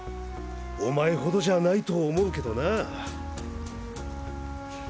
お前ほどじゃないと思うけどなぁ。